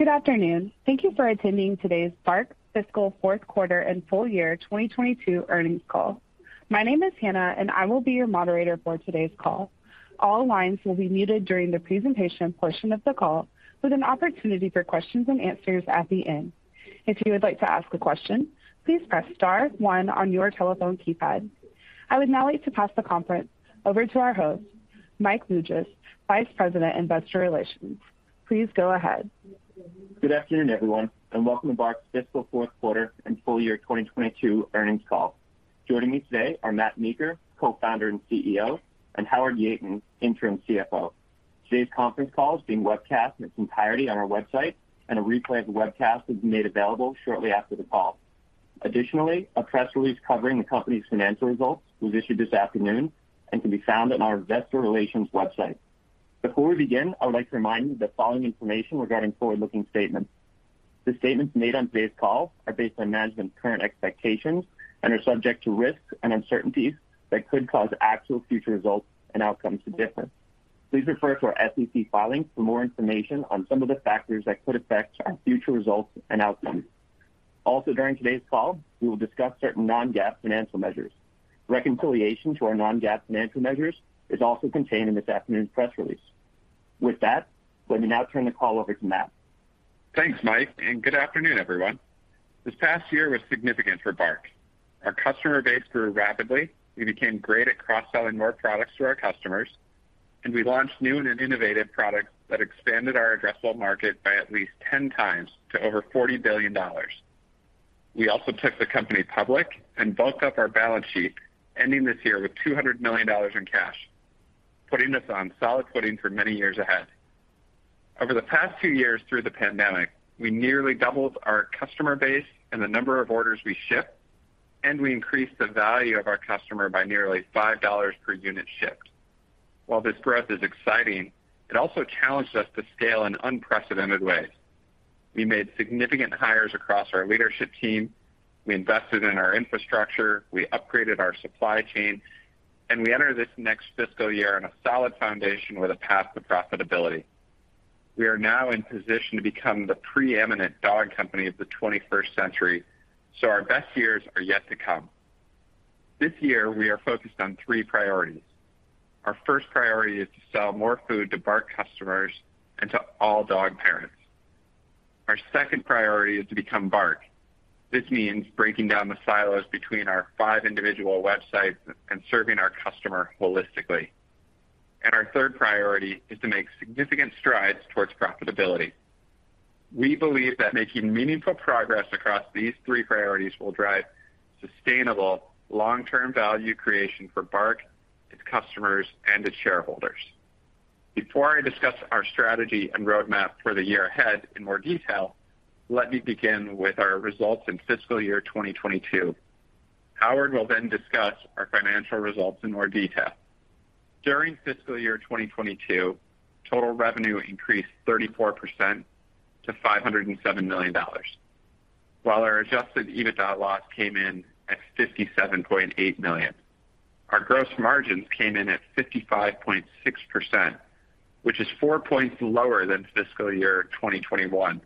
Good afternoon. Thank you for attending today's BARK fiscal fourth quarter and full year 2022 earnings call. My name is Hannah, and I will be your moderator for today's call. All lines will be muted during the presentation portion of the call, with an opportunity for questions and answers at the end. If you would like to ask a question, please press star one on your telephone keypad. I would now like to pass the conference over to our host, Mike Mougias, Vice President, Investor Relations. Please go ahead. Good afternoon, everyone, and welcome to BARK's fiscal fourth quarter and full year 2022 earnings call. Joining me today are Matt Meeker, Co-founder and CEO, and Howard Yeaton, Interim CFO. Today's conference call is being webcast in its entirety on our website, and a replay of the webcast will be made available shortly after the call. Additionally, a press release covering the company's financial results was issued this afternoon and can be found on our investor relations website. Before we begin, I would like to remind you of the following information regarding forward-looking statements. The statements made on today's call are based on management's current expectations and are subject to risks and uncertainties that could cause actual future results and outcomes to differ. Please refer to our SEC filings for more information on some of the factors that could affect our future results and outcomes. Also, during today's call, we will discuss certain non-GAAP financial measures. Reconciliation to our non-GAAP financial measures is also contained in this afternoon's press release. With that, let me now turn the call over to Matt. Thanks, Mike, and good afternoon, everyone. This past year was significant for BARK. Our customer base grew rapidly, we became great at cross-selling more products to our customers, and we launched new and innovative products that expanded our addressable market by at least 10 times to over $40 billion. We also took the company public and bulked up our balance sheet, ending this year with $200 million in cash, putting us on solid footing for many years ahead. Over the past two years through the pandemic, we nearly doubled our customer base and the number of orders we ship, and we increased the value of our customer by nearly $5 per unit shipped. While this growth is exciting, it also challenged us to scale in unprecedented ways. We made significant hires across our leadership team, we invested in our infrastructure, we upgraded our supply chain, and we enter this next fiscal year on a solid foundation with a path to profitability. We are now in position to become the preeminent dog company of the twenty-first century, so our best years are yet to come. This year we are focused on three priorities. Our first priority is to sell more food to BARK customers and to all dog parents. Our second priority is to become BARK. This means breaking down the silos between our five individual websites and serving our customer holistically. Our third priority is to make significant strides towards profitability. We believe that making meaningful progress across these three priorities will drive sustainable long-term value creation for BARK, its customers, and its shareholders. Before I discuss our strategy and roadmap for the year ahead in more detail, let me begin with our results in fiscal year 2022. Howard will then discuss our financial results in more detail. During fiscal year 2022, total revenue increased 34% to $507 million, while our adjusted EBITDA loss came in at $57.8 million. Our gross margins came in at 55.6%, which is 4 points lower than fiscal year 2021.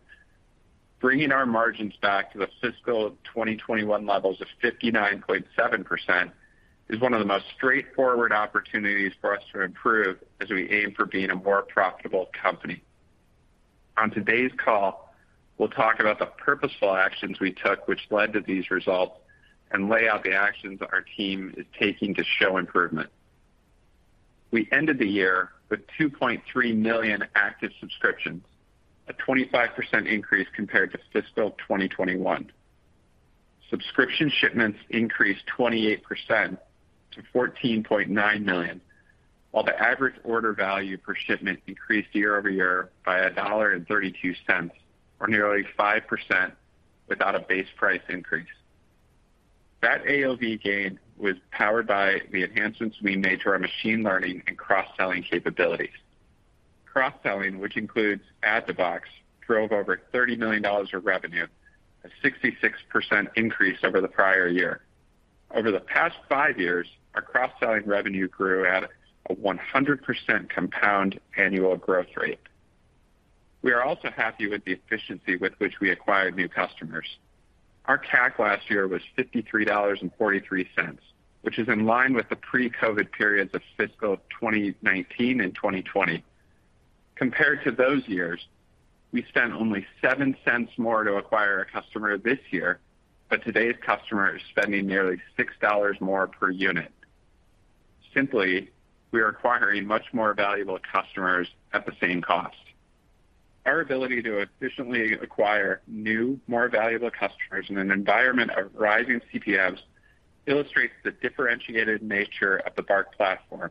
Bringing our margins back to the fiscal 2021 levels of 59.7% is one of the most straightforward opportunities for us to improve as we aim for being a more profitable company. On today's call, we'll talk about the purposeful actions we took which led to these results and lay out the actions our team is taking to show improvement. We ended the year with 2.3 million active subscriptions, a 25% increase compared to fiscal 2021. Subscription shipments increased 28% to 14.9 million, while the average order value per shipment increased year-over-year by $1.32, or nearly 5% without a base price increase. That AOV gain was powered by the enhancements we made to our machine learning and cross-selling capabilities. Cross-selling, which includes Add-to-Box, drove over $30 million of revenue, a 66% increase over the prior year. Over the past five years, our cross-selling revenue grew at a 100% compound annual growth rate. We are also happy with the efficiency with which we acquired new customers. Our CAC last year was $53.43, which is in line with the pre-COVID periods of fiscal 2019 and 2020. Compared to those years, we spent only $0.07 more to acquire a customer this year, but today's customer is spending nearly $6 more per unit. Simply, we are acquiring much more valuable customers at the same cost. Our ability to efficiently acquire new, more valuable customers in an environment of rising CPMs illustrates the differentiated nature of the BARK platform.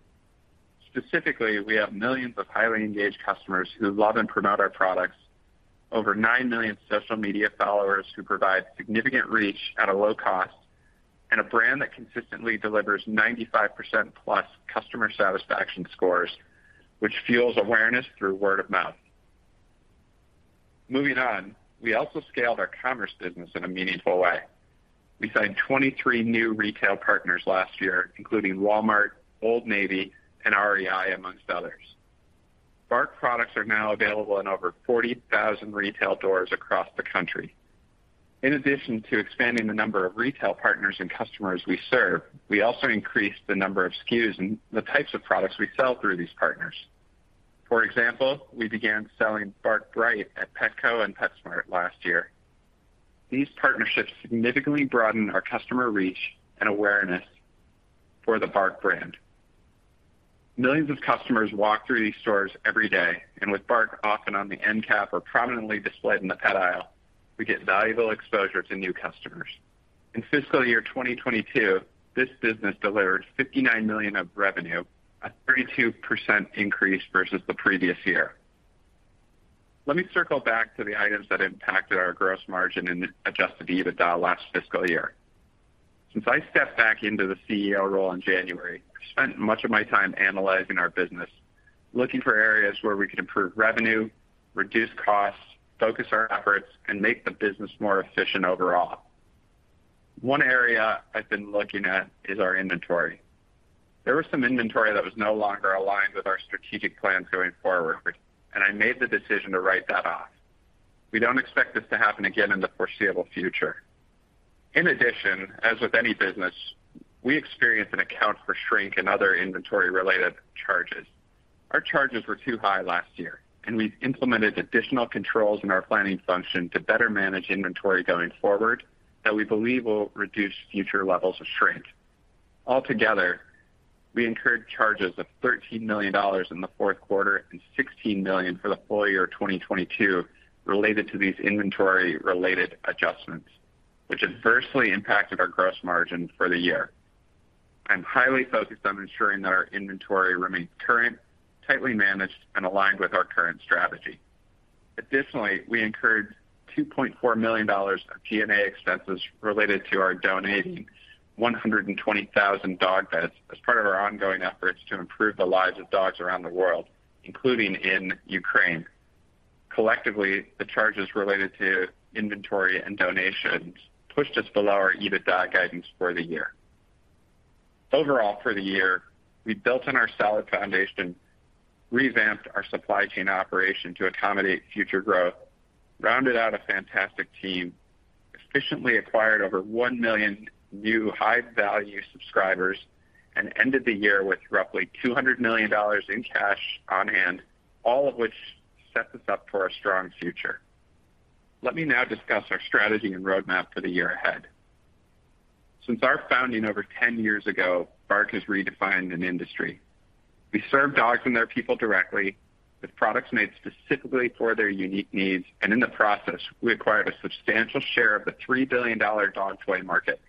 Specifically, we have millions of highly engaged customers who love and promote our products, over 9 million social media followers who provide significant reach at a low cost, and a brand that consistently delivers 95%+ customer satisfaction scores, which fuels awareness through word of mouth. Moving on, we also scaled our commerce business in a meaningful way. We signed 23 new retail partners last year, including Walmart, Old Navy, and REI, among others. BARK products are now available in over 40,000 retail doors across the country. In addition to expanding the number of retail partners and customers we serve, we also increased the number of SKUs and the types of products we sell through these partners. For example, we began selling BARK Bright at Petco and PetSmart last year. These partnerships significantly broaden our customer reach and awareness for the BARK brand. Millions of customers walk through these stores every day, and with BARK often on the end cap or prominently displayed in the pet aisle, we get valuable exposure to new customers. In fiscal year 2022, this business delivered $59 million of revenue, a 32% increase versus the previous year. Let me circle back to the items that impacted our gross margin and adjusted EBITDA last fiscal year. Since I stepped back into the CEO role in January, I spent much of my time analyzing our business, looking for areas where we could improve revenue, reduce costs, focus our efforts, and make the business more efficient overall. One area I've been looking at is our inventory. There was some inventory that was no longer aligned with our strategic plans going forward, and I made the decision to write that off. We don't expect this to happen again in the foreseeable future. In addition, as with any business, we experience and account for shrink and other inventory-related charges. Our charges were too high last year, and we've implemented additional controls in our planning function to better manage inventory going forward that we believe will reduce future levels of shrink. Altogether, we incurred charges of $13 million in the fourth quarter and $16 million for the full year 2022 related to these inventory-related adjustments, which adversely impacted our gross margin for the year. I'm highly focused on ensuring that our inventory remains current, tightly managed, and aligned with our current strategy. Additionally, we incurred $2.4 million of G&A expenses related to our donating 120,000 dog beds as part of our ongoing efforts to improve the lives of dogs around the world, including in Ukraine. Collectively, the charges related to inventory and donations pushed us below our EBITDA guidance for the year. Overall, for the year, we built on our solid foundation, revamped our supply chain operation to accommodate future growth, rounded out a fantastic team, efficiently acquired over 1 million new high-value subscribers, and ended the year with roughly $200 million in cash on hand, all of which set us up for a strong future. Let me now discuss our strategy and roadmap for the year ahead. Since our founding over 10 years ago, BARK has redefined an industry. We serve dogs and their people directly with products made specifically for their unique needs, and in the process, we acquired a substantial share of the $3 billion dog toy market.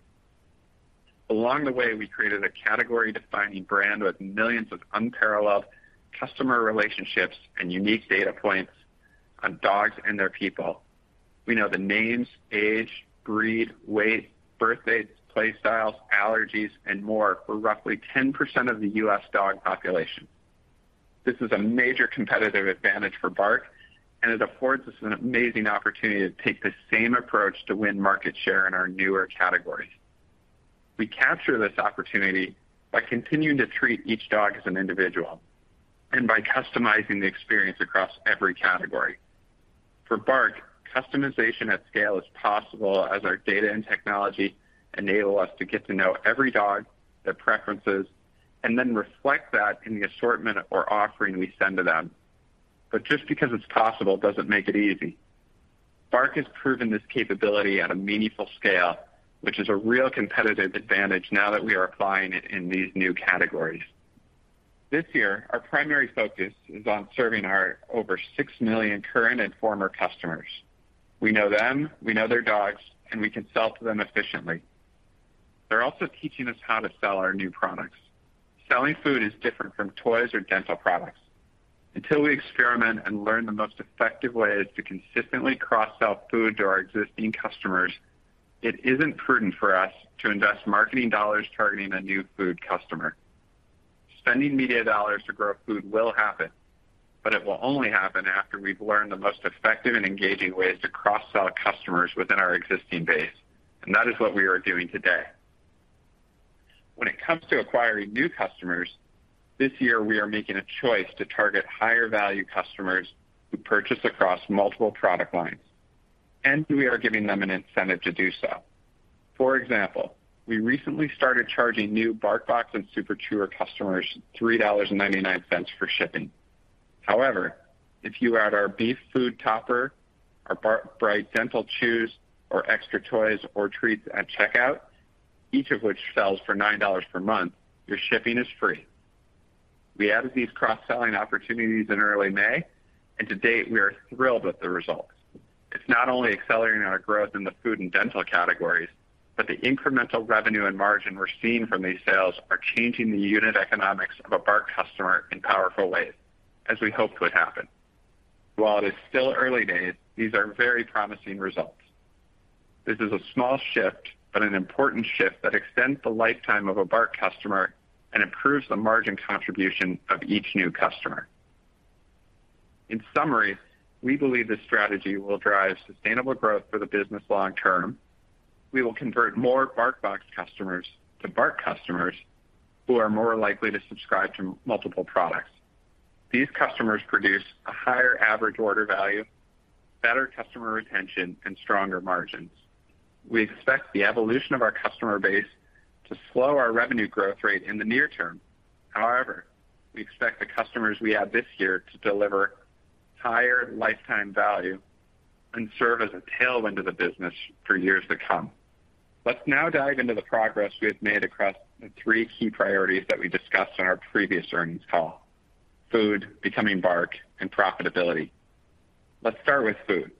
Along the way, we created a category-defining brand with millions of unparalleled customer relationships and unique data points on dogs and their people. We know the names, age, breed, weight, birth dates, play styles, allergies, and more for roughly 10% of the U.S. dog population. This is a major competitive advantage for BARK, and it affords us an amazing opportunity to take the same approach to win market share in our newer categories. We capture this opportunity by continuing to treat each dog as an individual and by customizing the experience across every category. For BARK, customization at scale is possible as our data and technology enable us to get to know every dog, their preferences, and then reflect that in the assortment or offering we send to them. Just because it's possible doesn't make it easy. BARK has proven this capability at a meaningful scale, which is a real competitive advantage now that we are applying it in these new categories. This year, our primary focus is on serving our over 6 million current and former customers. We know them, we know their dogs, and we can sell to them efficiently. They're also teaching us how to sell our new products. Selling food is different from toys or dental products. Until we experiment and learn the most effective ways to consistently cross-sell food to our existing customers, it isn't prudent for us to invest marketing dollars targeting a new food customer. Spending media dollars to grow food will happen, but it will only happen after we've learned the most effective and engaging ways to cross-sell customers within our existing base, and that is what we are doing today. When it comes to acquiring new customers, this year, we are making a choice to target higher-value customers who purchase across multiple product lines, and we are giving them an incentive to do so. For example, we recently started charging new BarkBox and Super Chewer customers $3.99 for shipping. However, if you add our beef food topper, our Bark Bright dental chews or extra toys or treats at checkout, each of which sells for $9 per month, your shipping is free. We added these cross-selling opportunities in early May, and to date, we are thrilled with the results. It's not only accelerating our growth in the food and dental categories, but the incremental revenue and margin we're seeing from these sales are changing the unit economics of a BARK customer in powerful ways, as we hoped would happen. While it is still early days, these are very promising results. This is a small shift but an important shift that extends the lifetime of a BARK customer and improves the margin contribution of each new customer. In summary, we believe this strategy will drive sustainable growth for the business long term. We will convert more BarkBox customers to BARK customers who are more likely to subscribe to multiple products. These customers produce a higher average order value, better customer retention, and stronger margins. We expect the evolution of our customer base to slow our revenue growth rate in the near term. However, we expect the customers we have this year to deliver higher lifetime value and serve as a tailwind of the business for years to come. Let's now dive into the progress we have made across the three key priorities that we discussed on our previous earnings call. Food, becoming BARK, and profitability. Let's start with food.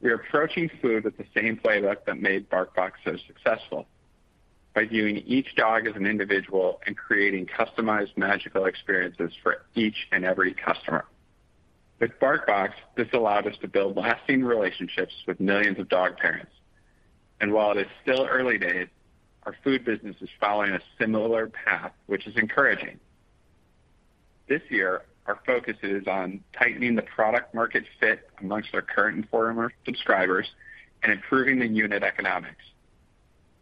We are approaching food with the same playbook that made BarkBox so successful, by viewing each dog as an individual and creating customized magical experiences for each and every customer. With BarkBox, this allowed us to build lasting relationships with millions of dog parents. While it is still early days, our food business is following a similar path, which is encouraging. This year, our focus is on tightening the product market fit among our current and former subscribers and improving the unit economics.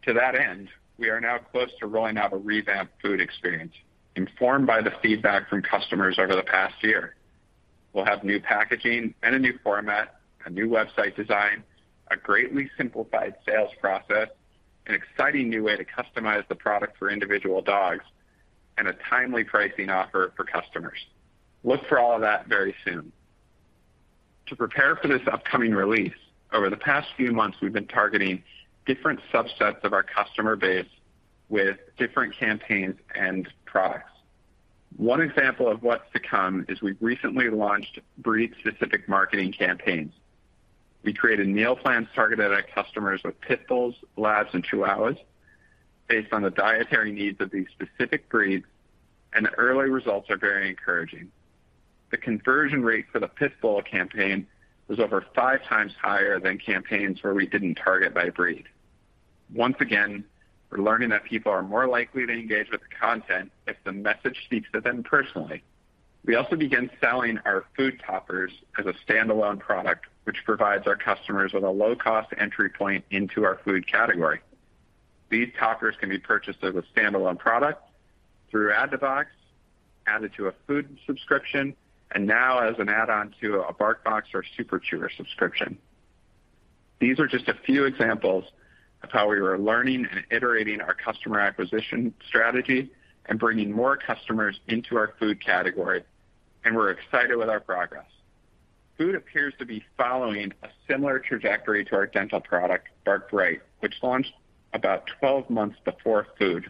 To that end, we are now close to rolling out a revamped food experience, informed by the feedback from customers over the past year. We'll have new packaging and a new format, a new website design, a greatly simplified sales process, an exciting new way to customize the product for individual dogs, and a timely pricing offer for customers. Look for all of that very soon. To prepare for this upcoming release, over the past few months, we've been targeting different subsets of our customer base with different campaigns and products. One example of what's to come is we've recently launched breed-specific marketing campaigns. We created meal plans targeted at customers with pit bulls, labs, and chihuahuas based on the dietary needs of these specific breeds, and the early results are very encouraging. The conversion rate for the pit bull campaign was over five times higher than campaigns where we didn't target by breed. Once again, we're learning that people are more likely to engage with the content if the message speaks to them personally. We also began selling our food toppers as a standalone product, which provides our customers with a low-cost entry point into our food category. These toppers can be purchased as a standalone product through Add-to-Box, added to a food subscription, and now as an add-on to a BarkBox or Super Chewer subscription. These are just a few examples of how we are learning and iterating our customer acquisition strategy and bringing more customers into our food category, and we're excited with our progress. Food appears to be following a similar trajectory to our dental product, Bark Bright, which launched about 12 months before food.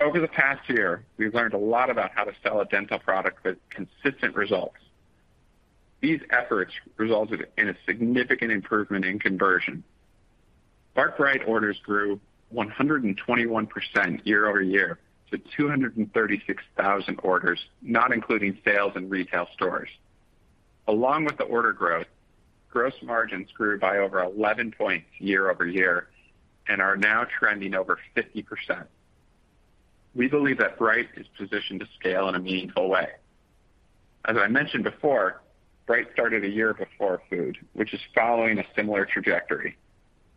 Over the past year, we've learned a lot about how to sell a dental product with consistent results. These efforts resulted in a significant improvement in conversion. BARK Bright orders grew 121% year-over-year to 236,000 orders, not including sales in retail stores. Along with the order growth, gross margins grew by over 11 points year-over-year and are now trending over 50%. We believe that Bright is positioned to scale in a meaningful way. As I mentioned before, Bright started a year before food, which is following a similar trajectory.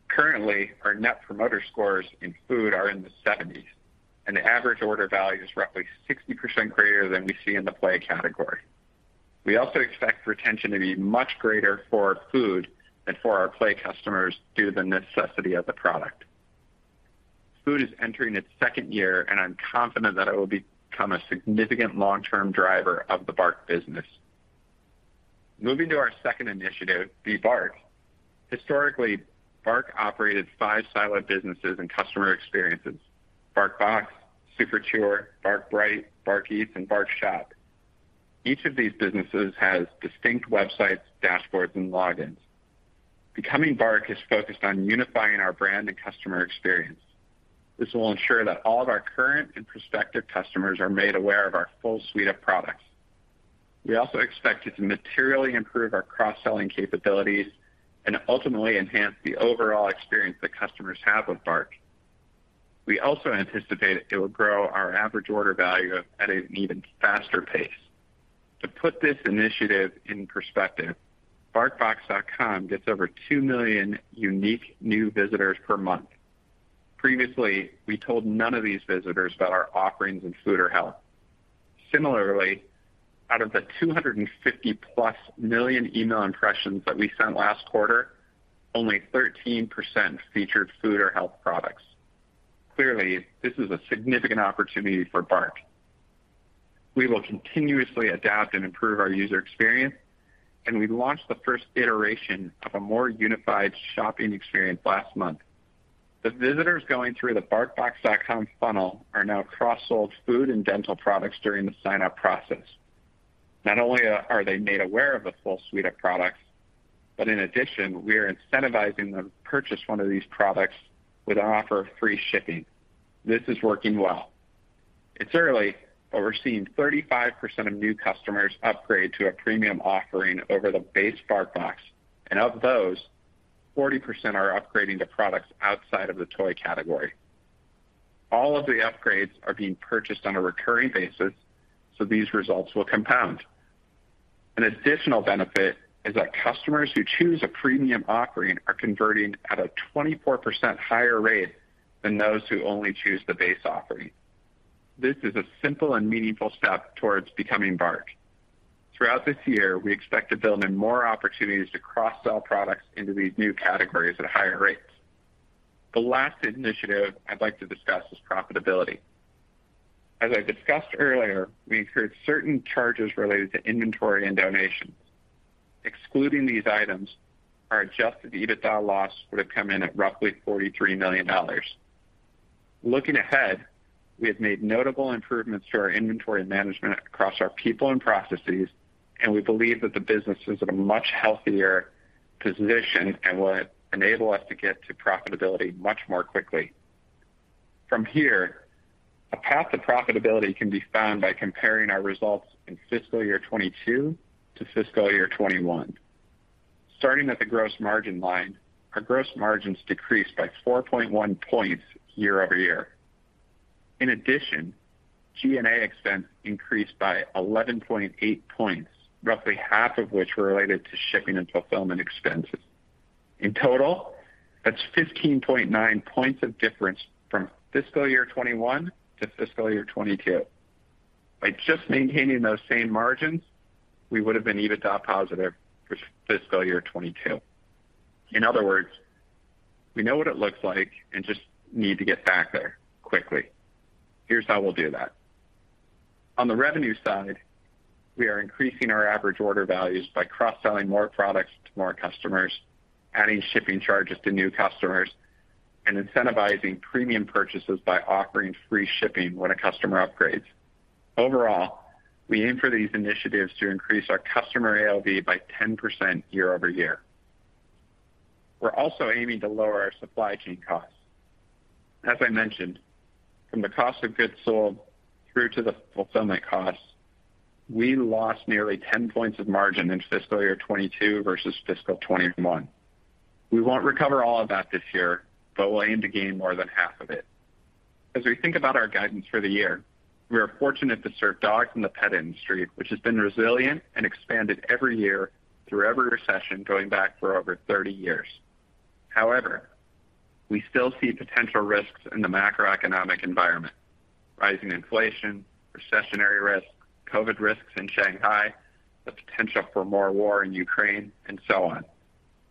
Currently, our net promoter scores in food are in the 70s%, and the average order value is roughly 60% greater than we see in the play category. We also expect retention to be much greater for food than for our play customers due to the necessity of the product. Food is entering its second year, and I'm confident that it will become a significant long-term driver of the BARK business. Moving to our second initiative, Be BARK. Historically, BARK operated five siloed businesses and customer experiences, BarkBox, Super Chewer, BARK Bright, BARK Eats, and BarkShop. Each of these businesses has distinct websites, dashboards, and logins. Becoming BARK is focused on unifying our brand and customer experience. This will ensure that all of our current and prospective customers are made aware of our full suite of products. We also expect it to materially improve our cross-selling capabilities and ultimately enhance the overall experience that customers have with BARK. We also anticipate it will grow our average order value at an even faster pace. To put this initiative in perspective, barkbox.com gets over 2 million unique new visitors per month. Previously, we told none of these visitors about our offerings in food or health. Similarly, out of the 250+ million email impressions that we sent last quarter, only 13% featured food or health products. Clearly, this is a significant opportunity for BARK. We will continuously adapt and improve our user experience, and we launched the first iteration of a more unified shopping experience last month. The visitors going through the barkbox.com funnel are now cross-sold food and dental products during the sign-up process. Not only are they made aware of the full suite of products, but in addition, we are incentivizing them to purchase one of these products with an offer of free shipping. This is working well. It's early, but we're seeing 35% of new customers upgrade to a premium offering over the base BarkBox, and of those, 40% are upgrading to products outside of the toy category. All of the upgrades are being purchased on a recurring basis, so these results will compound. An additional benefit is that customers who choose a premium offering are converting at a 24% higher rate than those who only choose the base offering. This is a simple and meaningful step towards becoming BARK. Throughout this year, we expect to build in more opportunities to cross-sell products into these new categories at higher rates. The last initiative I'd like to discuss is profitability. As I discussed earlier, we incurred certain charges related to inventory and donations. Excluding these items, our adjusted EBITDA loss would have come in at roughly $43 million. Looking ahead, we have made notable improvements to our inventory management across our people and processes, and we believe that the business is in a much healthier position and will enable us to get to profitability much more quickly. From here, a path to profitability can be found by comparing our results in fiscal year 2022 to fiscal year 2021. Starting at the gross margin line, our gross margins decreased by 4.1 points year-over-year. In addition, G&A expense increased by 11.8 points, roughly half of which were related to shipping and fulfillment expenses. In total, that's 15.9 points of difference from fiscal year 2021 to fiscal year 2022. By just maintaining those same margins, we would have been EBITDA positive for fiscal year 2022. In other words, we know what it looks like and just need to get back there quickly. Here's how we'll do that. On the revenue side, we are increasing our average order values by cross-selling more products to more customers, adding shipping charges to new customers, and incentivizing premium purchases by offering free shipping when a customer upgrades. Overall, we aim for these initiatives to increase our customer AOV by 10% year-over-year. We're also aiming to lower our supply chain costs. As I mentioned, from the cost of goods sold through to the fulfillment costs, we lost nearly 10 points of margin in fiscal year 2022 versus fiscal 2021. We won't recover all of that this year, but we'll aim to gain more than half of it. As we think about our guidance for the year, we are fortunate to serve dogs in the pet industry, which has been resilient and expanded every year through every recession going back for over 30 years. However, we still see potential risks in the macroeconomic environment, rising inflation, recessionary risks, COVID risks in Shanghai, the potential for more war in Ukraine, and so on.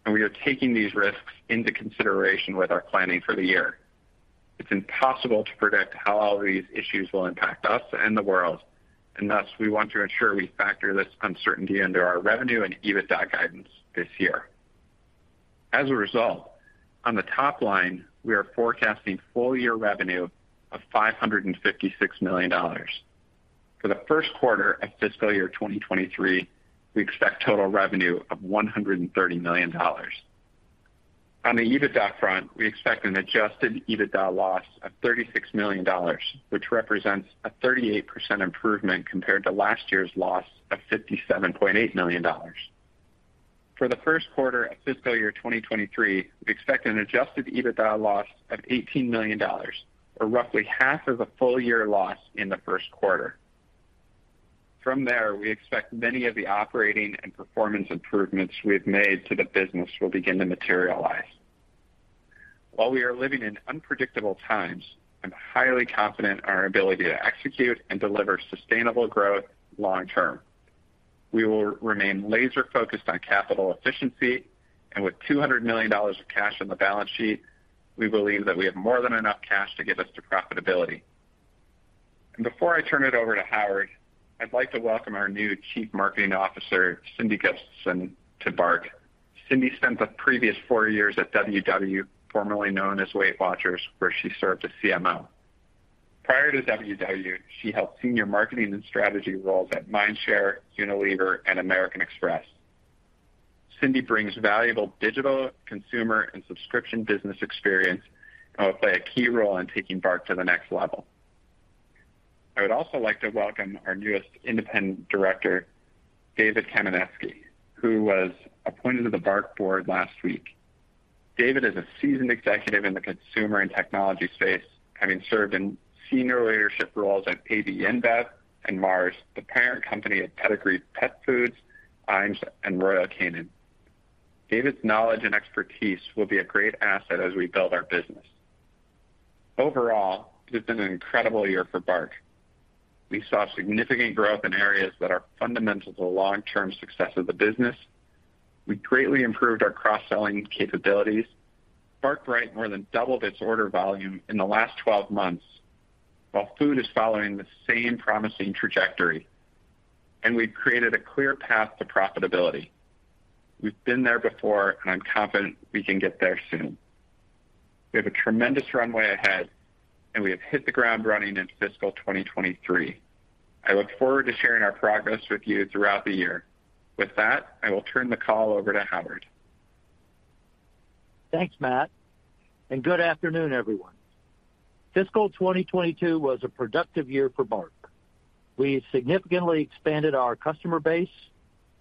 We are taking these risks into consideration with our planning for the year. It's impossible to predict how all these issues will impact us and the world, and thus, we want to ensure we factor this uncertainty into our revenue and EBITDA guidance this year. As a result, on the top line, we are forecasting full-year revenue of $556 million. For the first quarter of fiscal year 2023, we expect total revenue of $130 million. On the EBITDA front, we expect an adjusted EBITDA loss of $36 million, which represents a 38% improvement compared to last year's loss of $57.8 million. For the first quarter of fiscal year 2023, we expect an adjusted EBITDA loss of $18 million, or roughly half of the full-year loss in the first quarter. From there, we expect many of the operating and performance improvements we have made to the business will begin to materialize. While we are living in unpredictable times, I'm highly confident in our ability to execute and deliver sustainable growth long term. We will remain laser-focused on capital efficiency, and with $200 million of cash on the balance sheet, we believe that we have more than enough cash to get us to profitability. Before I turn it over to Howard, I'd like to welcome our new Chief Marketing Officer, Cindy Gustafson, to BARK. Cindy spent the previous four years at WW, formerly known as Weight Watchers, where she served as CMO. Prior to WW, she held senior marketing and strategy roles at Mindshare, Unilever, and American Express. Cindy brings valuable digital, consumer, and subscription business experience and will play a key role in taking BARK to the next level. I would also like to welcome our newest independent director, David Kamenetzky, who was appointed to the BARK board last week. David is a seasoned executive in the consumer and technology space, having served in senior leadership roles at AB InBev and Mars, the parent company of Pedigree, Iams, and Royal Canin. David's knowledge and expertise will be a great asset as we build our business. Overall, this has been an incredible year for BARK. We saw significant growth in areas that are fundamental to the long-term success of the business. We greatly improved our cross-selling capabilities. BARK Bright more than doubled its order volume in the last 12 months, while Food is following the same promising trajectory. We've created a clear path to profitability. We've been there before, and I'm confident we can get there soon. We have a tremendous runway ahead, and we have hit the ground running into fiscal 2023. I look forward to sharing our progress with you throughout the year. With that, I will turn the call over to Howard. Thanks, Matt, and good afternoon, everyone. Fiscal 2022 was a productive year for BARK. We significantly expanded our customer base,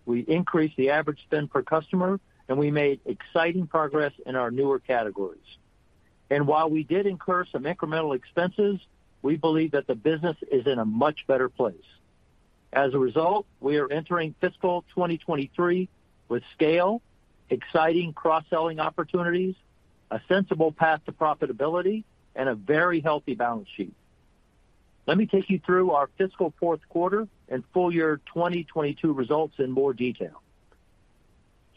we increased the average spend per customer, and we made exciting progress in our newer categories. While we did incur some incremental expenses, we believe that the business is in a much better place. As a result, we are entering fiscal 2023 with scale, exciting cross-selling opportunities, a sensible path to profitability, and a very healthy balance sheet. Let me take you through our fiscal fourth quarter and full year 2022 results in more detail.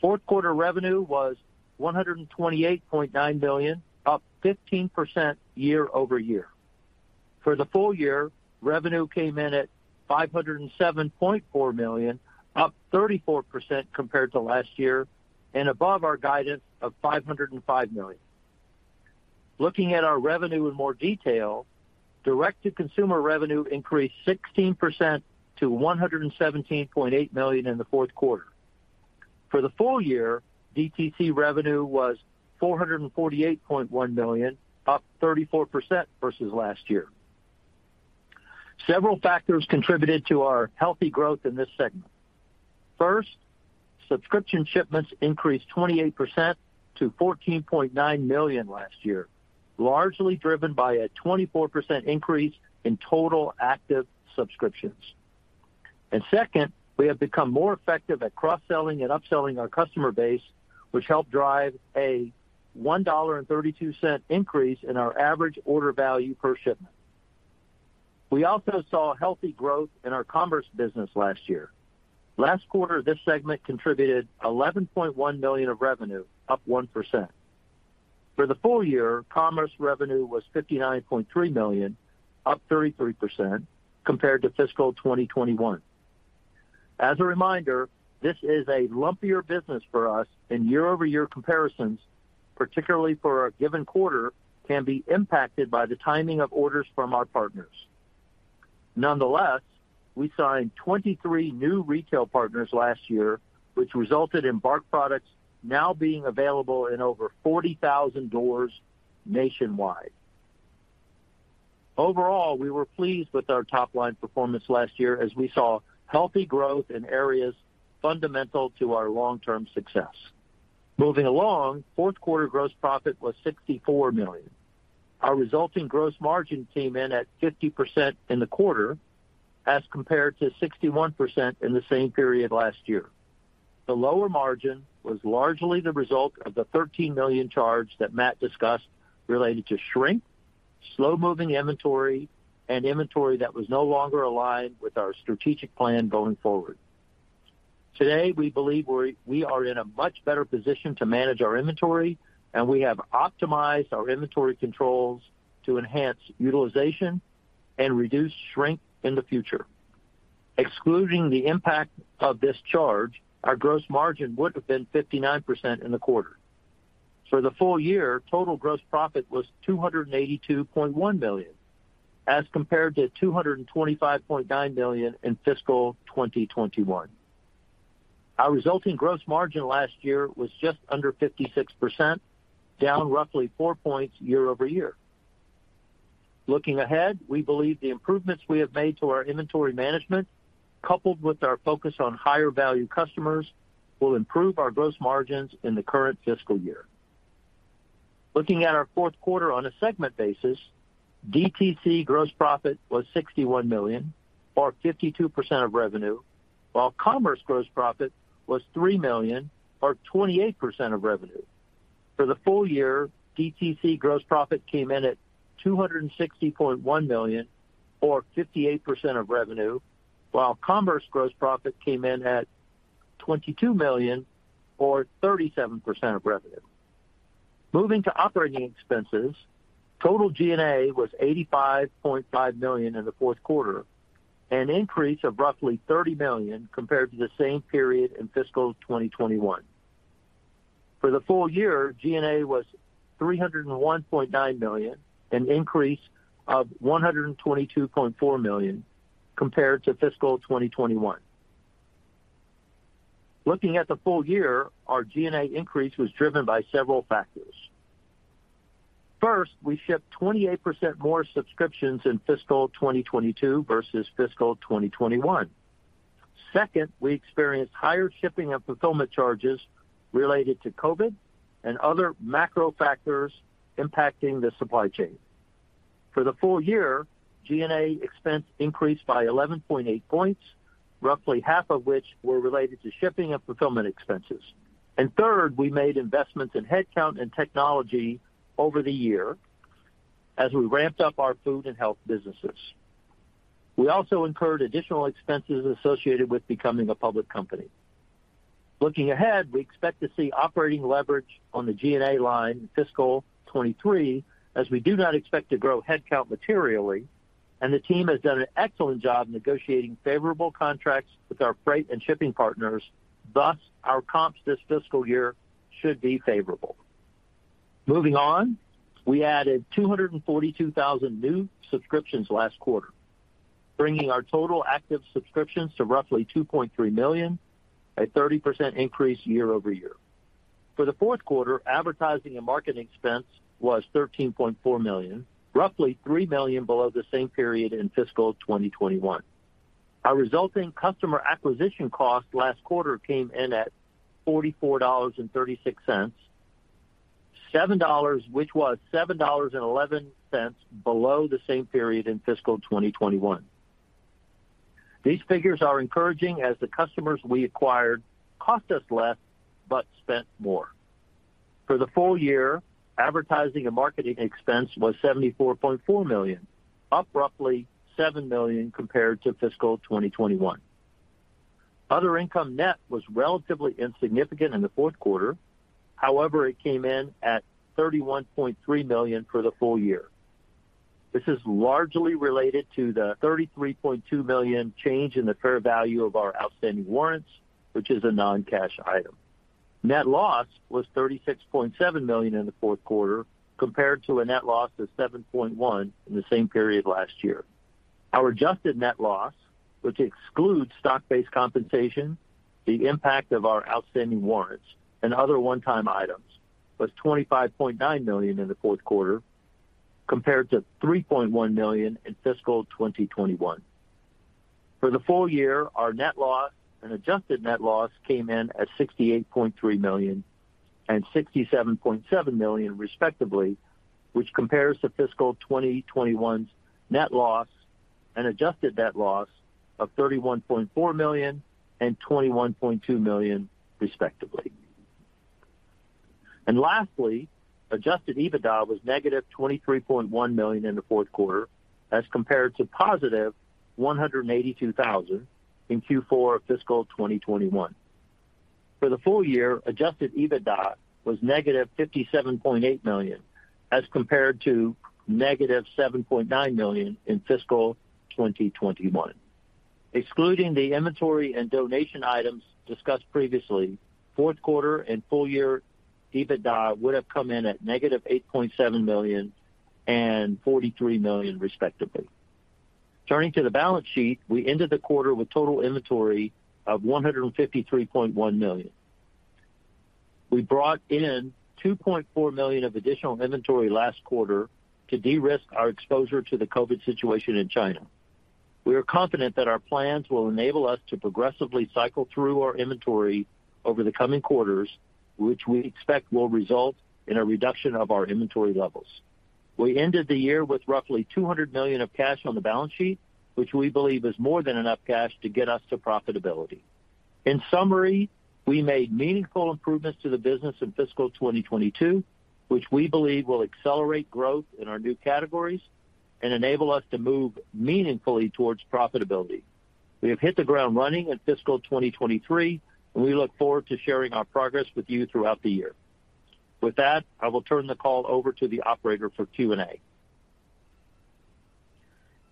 Fourth quarter revenue was $128.9 million, up 15% year-over-year. For the full year, revenue came in at $507.4 million, up 34% compared to last year and above our guidance of $505 million. Looking at our revenue in more detail, direct-to-consumer revenue increased 16% to $117.8 million in the fourth quarter. For the full year, DTC revenue was $448.1 million, up 34% versus last year. Several factors contributed to our healthy growth in this segment. First, subscription shipments increased 28% to 14.9 million last year, largely driven by a 24% increase in total active subscriptions. Second, we have become more effective at cross-selling and upselling our customer base, which helped drive a $1.32 increase in our average order value per shipment. We also saw healthy growth in our commerce business last year. Last quarter, this segment contributed $11.1 million of revenue, up 1%. For the full year, commerce revenue was $59.3 million, up 33% compared to fiscal 2021. As a reminder, this is a lumpier business for us, and year-over-year comparisons, particularly for a given quarter, can be impacted by the timing of orders from our partners. Nonetheless, we signed 23 new retail partners last year, which resulted in BARK products now being available in over 40,000 doors nationwide. Overall, we were pleased with our top line performance last year as we saw healthy growth in areas fundamental to our long-term success. Moving along, fourth quarter gross profit was $64 million. Our resulting gross margin came in at 50% in the quarter as compared to 61% in the same period last year. The lower margin was largely the result of the $13 million charge that Matt discussed related to shrink, slow-moving inventory, and inventory that was no longer aligned with our strategic plan going forward. Today, we believe we are in a much better position to manage our inventory, and we have optimized our inventory controls to enhance utilization and reduce shrink in the future. Excluding the impact of this charge, our gross margin would have been 59% in the quarter. For the full year, total gross profit was $282.1 million, as compared to $225.9 million in fiscal 2021. Our resulting gross margin last year was just under 56%, down roughly 4 points year-over-year. Looking ahead, we believe the improvements we have made to our inventory management, coupled with our focus on higher value customers, will improve our gross margins in the current fiscal year. Looking at our fourth quarter on a segment basis, DTC gross profit was $61 million or 52% of revenue, while commerce gross profit was $3 million or 28% of revenue. For the full year, DTC gross profit came in at $260.1 million or 58% of revenue, while commerce gross profit came in at $22 million or 37% of revenue. Moving to operating expenses, total G&A was $85.5 million in the fourth quarter, an increase of roughly $30 million compared to the same period in fiscal 2021. For the full year, G&A was $301.9 million, an increase of $122.4 million compared to fiscal 2021. Looking at the full year, our G&A increase was driven by several factors. First, we shipped 28% more subscriptions in fiscal 2022 versus fiscal 2021. Second, we experienced higher shipping and fulfillment charges related to COVID and other macro factors impacting the supply chain. For the full year, G&A expense increased by 11.8 points, roughly half of which were related to shipping and fulfillment expenses. Third, we made investments in headcount and technology over the year as we ramped up our food and health businesses. We also incurred additional expenses associated with becoming a public company. Looking ahead, we expect to see operating leverage on the G&A line in fiscal 2023, as we do not expect to grow headcount materially, and the team has done an excellent job negotiating favorable contracts with our freight and shipping partners, thus, our comps this fiscal year should be favorable. Moving on. We added 242,000 new subscriptions last quarter, bringing our total active subscriptions to roughly 2.3 million, a 30% increase year-over-year. For the fourth quarter, advertising and marketing expense was $13.4 million, roughly $3 million below the same period in fiscal 2021. Our resulting customer acquisition cost last quarter came in at $44.36, which was $7.11 below the same period in fiscal 2021. These figures are encouraging as the customers we acquired cost us less but spent more. For the full year, advertising and marketing expense was $74.4 million, up roughly $7 million compared to fiscal 2021. Other income net was relatively insignificant in the fourth quarter. However, it came in at $31.3 million for the full year. This is largely related to the $33.2 million change in the fair value of our outstanding warrants, which is a non-cash item. Net loss was $36.7 million in the fourth quarter compared to a net loss of $7.1 million in the same period last year. Our adjusted net loss, which excludes stock-based compensation, the impact of our outstanding warrants and other one-time items, was $25.9 million in the fourth quarter compared to $3.1 million in fiscal 2021. For the full year, our net loss and adjusted net loss came in at $68.3 million and $67.7 million, respectively, which compares to fiscal 2021's net loss and adjusted net loss of $31.4 million and $21.2 million, respectively. Lastly, adjusted EBITDA was negative $23.1 million in the fourth quarter as compared to positive $182,000 in Q4 fiscal 2021. For the full year, adjusted EBITDA was negative $57.8 million, as compared to negative $7.9 million in fiscal 2021. Excluding the inventory and donation items discussed previously, fourth quarter and full year EBITDA would have come in at negative $8.7 million and $43 million, respectively. Turning to the balance sheet, we ended the quarter with total inventory of $153.1 million. We brought in $2.4 million of additional inventory last quarter to de-risk our exposure to the COVID situation in China. We are confident that our plans will enable us to progressively cycle through our inventory over the coming quarters, which we expect will result in a reduction of our inventory levels. We ended the year with roughly $200 million of cash on the balance sheet, which we believe is more than enough cash to get us to profitability. In summary, we made meaningful improvements to the business in fiscal 2022, which we believe will accelerate growth in our new categories and enable us to move meaningfully towards profitability. We have hit the ground running in fiscal 2023, and we look forward to sharing our progress with you throughout the year. With that, I will turn the call over to the operator for Q&A.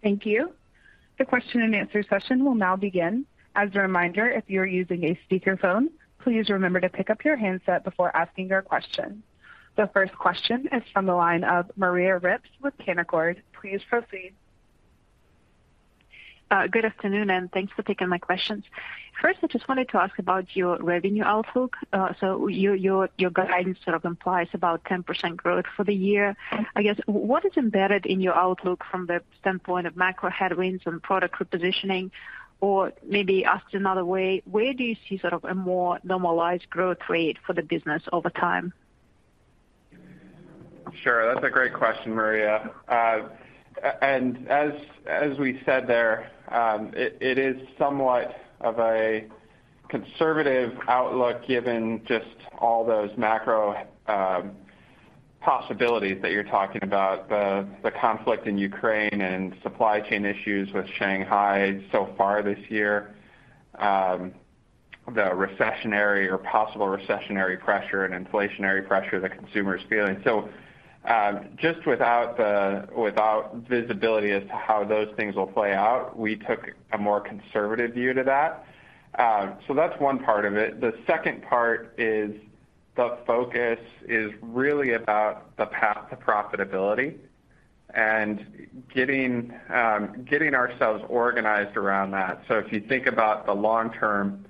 Thank you. The question-and-answer session will now begin. As a reminder, if you are using a speakerphone, please remember to pick up your handset before asking your question. The first question is from the line of Maria Ripps with Canaccord. Please proceed. Good afternoon, and thanks for taking my questions. First, I just wanted to ask about your revenue outlook. Your guidance sort of implies about 10% growth for the year. I guess, what is embedded in your outlook from the standpoint of macro headwinds and product repositioning? Or maybe asked another way, where do you see sort of a more normalized growth rate for the business over time? Sure. That's a great question, Maria. As we said there, it is somewhat of a conservative outlook given just all those macro possibilities that you're talking about, the conflict in Ukraine and supply chain issues with Shanghai so far this year, the recessionary or possible recessionary pressure and inflationary pressure the consumer is feeling. Just without visibility as to how those things will play out, we took a more conservative view to that. That's one part of it. The second part is the focus is really about the path to profitability and getting ourselves organized around that. If you think about the long term,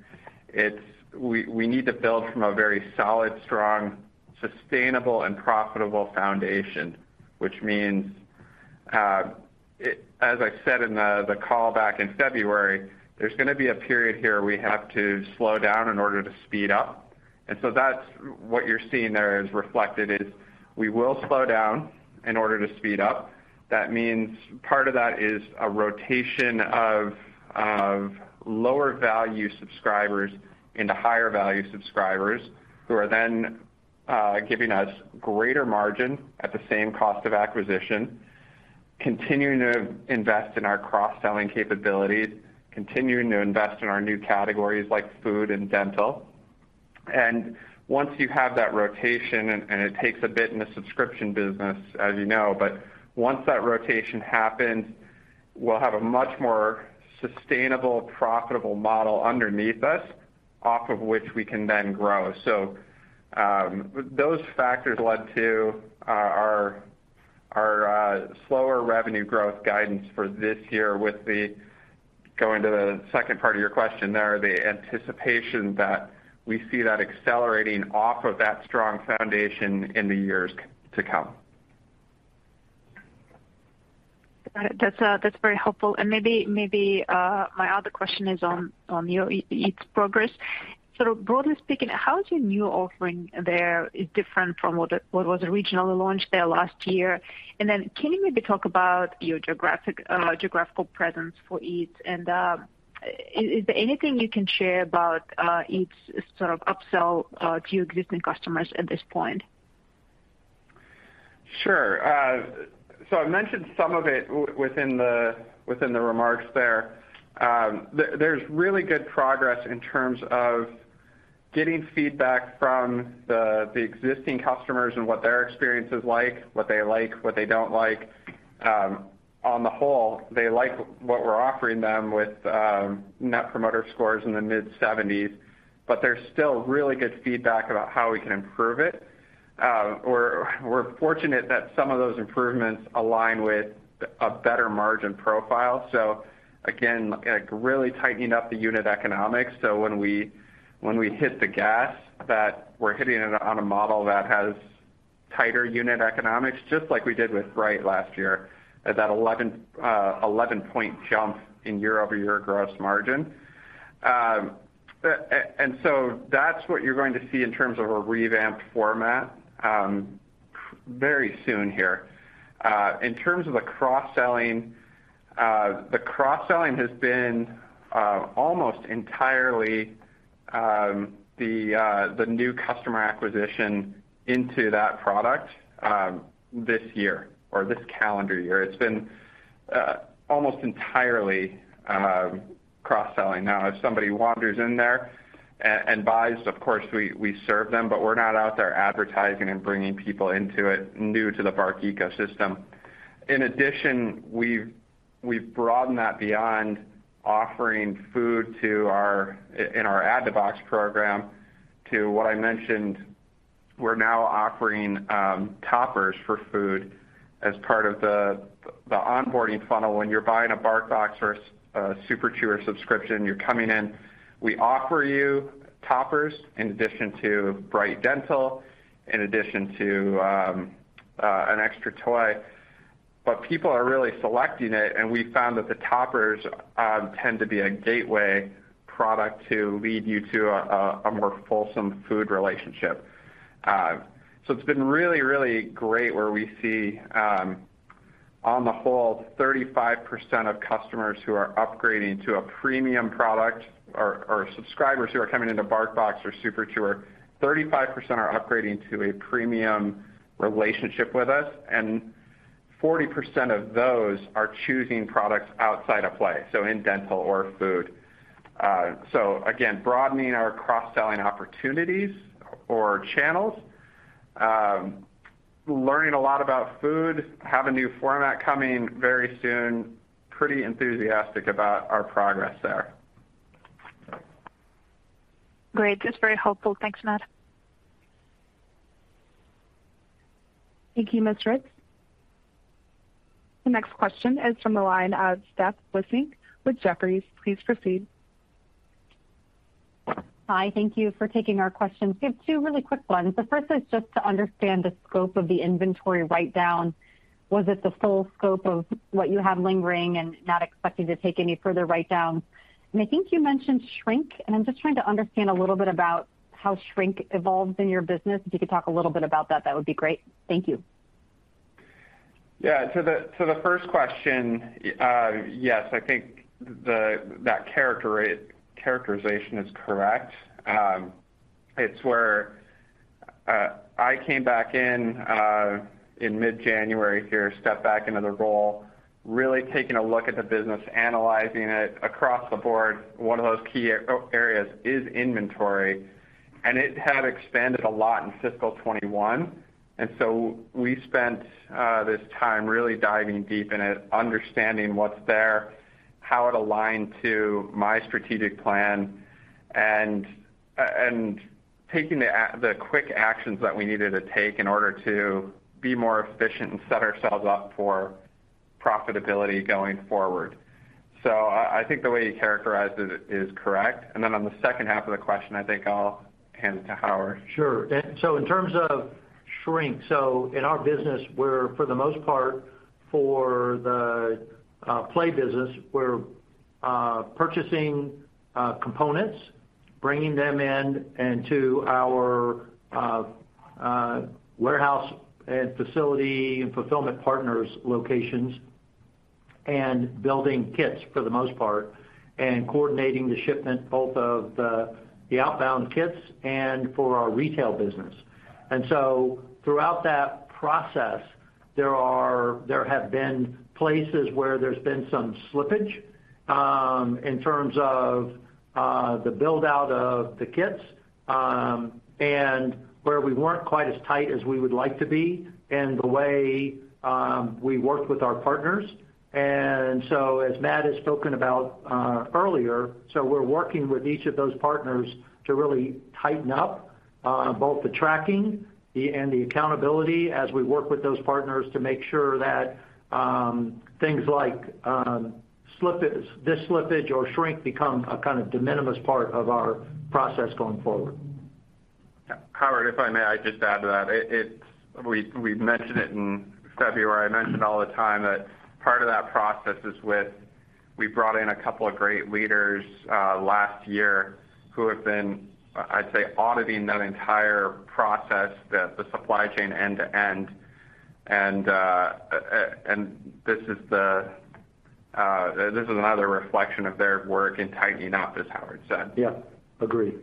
it's we need to build from a very solid, strong, sustainable, and profitable foundation, which means, as I said in the call back in February, there's gonna be a period here where we have to slow down in order to speed up. That's what you're seeing there as reflected, is we will slow down in order to speed up. That means part of that is a rotation of lower value subscribers into higher value subscribers who are then giving us greater margin at the same cost of acquisition, continuing to invest in our cross-selling capabilities, continuing to invest in our new categories like food and dental. Once you have that rotation, and it takes a bit in the subscription business, as you know, but once that rotation happens, we'll have a much more sustainable, profitable model underneath us off of which we can then grow. Those factors led to our Our slower revenue growth guidance for this year. Going to the second part of your question there, the anticipation that we see that accelerating off of that strong foundation in the years to come. Got it. That's very helpful. Maybe my other question is on your Eats progress. Sort of broadly speaking, how is your new offering there different from what was originally launched there last year? Then can you maybe talk about your geographical presence for Eats? Is there anything you can share about Eats sort of upsell to your existing customers at this point? Sure. I mentioned some of it within the remarks there. There's really good progress in terms of getting feedback from the existing customers and what their experience is like, what they like, what they don't like. On the whole, they like what we're offering them with net promoter scores in the mid-70s, but there's still really good feedback about how we can improve it. We're fortunate that some of those improvements align with a better margin profile. Again, like, really tightening up the unit economics, so when we hit the gas, that we're hitting it on a model that has tighter unit economics, just like we did with Bright last year, at that 11-point jump in year-over-year gross margin. That's what you're going to see in terms of a revamped format very soon here. In terms of the cross-selling, the cross-selling has been almost entirely the new customer acquisition into that product this year or this calendar year. It's been almost entirely cross-selling. Now if somebody wanders in there and buys, of course, we serve them, but we're not out there advertising and bringing people into it new to the BARK ecosystem. In addition, we've broadened that beyond offering food to our in our Add-to-Box program to what I mentioned, we're now offering toppers for food as part of the onboarding funnel. When you're buying a BarkBox or a Super Chewer subscription, you're coming in, we offer you toppers in addition to BARK Bright, in addition to an extra toy. People are really selecting it, and we found that the toppers tend to be a gateway product to lead you to a more fulsome food relationship. It's been really great where we see, on the whole, 35% of customers who are upgrading to a premium product or subscribers who are coming into BarkBox or Super Chewer, 35% are upgrading to a premium relationship with us, and 40% of those are choosing products outside of play, so in dental or food. Again, broadening our cross-selling opportunities or channels, learning a lot about food, have a new format coming very soon. Pretty enthusiastic about our progress there. Great. That's very helpful. Thanks, Matt. Thank you, Ms. Ripps. The next question is from the line of Steph Wissink with Jefferies. Please proceed. Hi, thank you for taking our questions. We have two really quick ones. The first is just to understand the scope of the inventory write-down. Was it the full scope of what you have lingering and not expecting to take any further write-downs? I think you mentioned shrink, and I'm just trying to understand a little bit about how shrink evolves in your business. If you could talk a little bit about that would be great. Thank you. Yeah. To the first question, yes, I think that characterization is correct. It's where I came back in in mid-January here, stepped back into the role, really taking a look at the business, analyzing it across the board. One of those key areas is inventory, and it had expanded a lot in fiscal 2021. We spent this time really diving deep in it, understanding what's there, how it aligned to my strategic plan, and taking the quick actions that we needed to take in order to be more efficient and set ourselves up for profitability going forward. I think the way you characterized it is correct. On the second half of the question, I think I'll hand it to Howard. Sure. In terms of shrink, in our business, we're for the most part for the play business, purchasing components, bringing them in into our warehouse and facility and fulfillment partners locations and building kits for the most part and coordinating the shipment both of the outbound kits and for our retail business. Throughout that process, there have been places where there's been some slippage in terms of the build-out of the kits and where we weren't quite as tight as we would like to be and the way we worked with our partners. As Matt has spoken about earlier, we're working with each of those partners to really tighten up both the tracking and the accountability as we work with those partners to make sure that things like slippage or shrink become a kind of de minimis part of our process going forward. Howard, if I may, I just add to that. We mentioned it in February. I mentioned all the time that part of that process is with. We brought in a couple of great leaders last year who have been, I'd say, auditing that entire process, the supply chain end to end. This is another reflection of their work in tightening up, as Howard said. Yeah, agreed.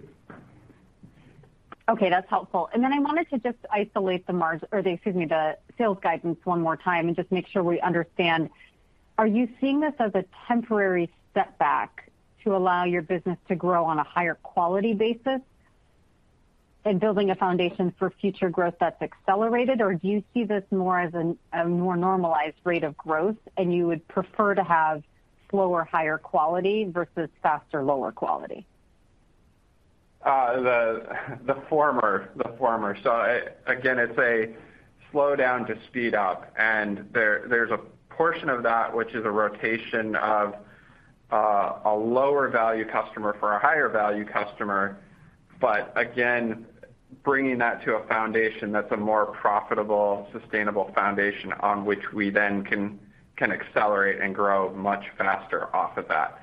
Okay, that's helpful. Then I wanted to just isolate the sales guidance one more time and just make sure we understand. Are you seeing this as a temporary setback to allow your business to grow on a higher quality basis in building a foundation for future growth that's accelerated? Or do you see this more as an more normalized rate of growth, and you would prefer to have slower, higher quality versus faster, lower quality? Again, it's a slow down to speed up. There's a portion of that which is a rotation of a lower value customer for a higher value customer. Again, bringing that to a foundation that's a more profitable, sustainable foundation on which we then can accelerate and grow much faster off of that.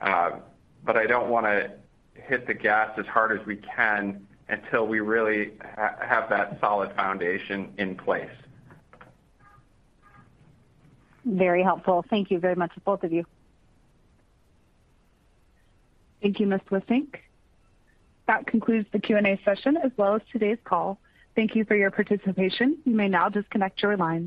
I don't wanna hit the gas as hard as we can until we really have that solid foundation in place. Very helpful. Thank you very much to both of you. Thank you, Ms. Wissink. That concludes the Q&A session as well as today's call. Thank you for your participation. You may now disconnect your lines.